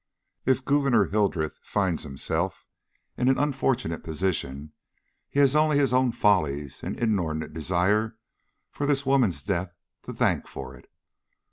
"If Gouverneur Hildreth finds himself in an unfortunate position, he has only his own follies and inordinate desire for this woman's death to thank for it.